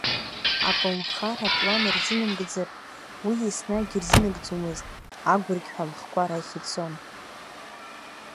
Аколнхара аплан рзынамыгӡар уи еснагь ирзынагӡомызт, агәырқьҳәа амхқәа рахь ицон.